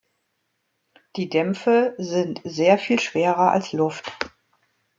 Die Dämpfe sind sehr viel schwerer als Luft.